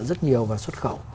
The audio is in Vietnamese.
rất nhiều vào xuất khẩu